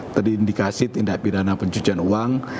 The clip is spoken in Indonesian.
terindikasi tindak pidana pencucian uang